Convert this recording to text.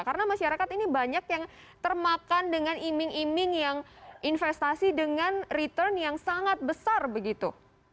karena masyarakat ini banyak yang termakan dengan iming iming yang investasi dengan return yang sangat besar begitu